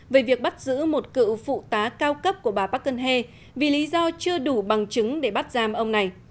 về việc bắt giữ một cựu phụ tá cao cấp của bà park geun hye vì lý do chưa đủ bằng chứng để bắt giam ông này